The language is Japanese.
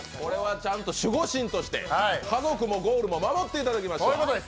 ちゃんと守護神として、家族もゴールも守りましょう。